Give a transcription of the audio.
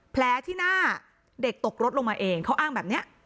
แผลที่หน้าเด็กตกรถลงมาเองเขาอ้างแบบนี้